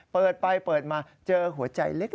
เปิดไปเปิดมาเจอหัวใจเล็ก